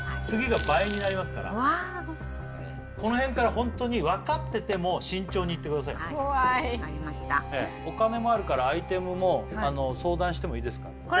次が倍になりますからこの辺からホントに分かってても慎重にいってくださいね怖いお金もあるからアイテムも相談してもいいですからね